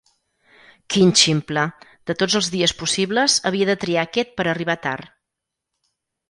Quin ximple! De tots els dies possibles, havia de triar aquest per arribar tard.